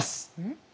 ん？